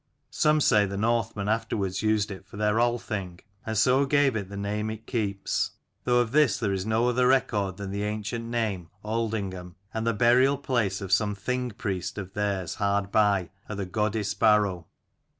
Some say the Northmen afterwards used it for their Althing, and so gave it the name it keeps, though of this there is no other record than the ancient name Aldhingham, and the burial place of some Thing priest of theirs hard by, at the Godi's barrow.